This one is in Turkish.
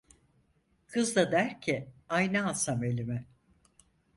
Kız da der ki ayna alsam elime.